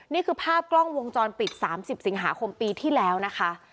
นี่คือภาพกล้องวงจรปิด๓๐สิงหาคมปีที่แล้วนะคะ